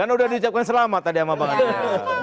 kan udah di ucapkan selamat tadi sama pak hasim